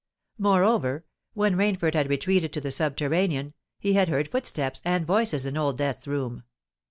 Moreover, when Rainford had retreated to the subterranean, he had heard footsteps and voices in Old Death's room.